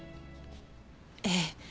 ええ。